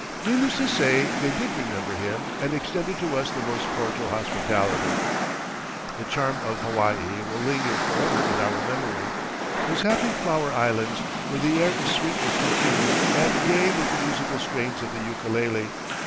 Needless to say, they did remember him and extended to us the most cordial hospitality. The charm of Hawaii will linger forever in our memory those happy flower islands where the air is sweet with perfume and gay with the musical strains of the ukulele.